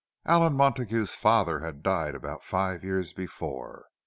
Allan Montague's father had died about five years before.